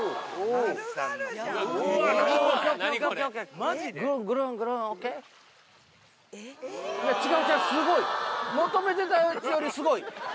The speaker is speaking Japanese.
いや、違う違う、すごい。求めてたやつよりすごい。